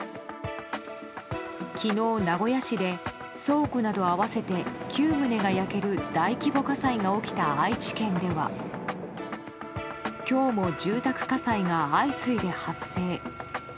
昨日、名古屋市で倉庫など合わせて９棟が焼ける大規模火災が起きた愛知県では今日も住宅火災が相次いで発生。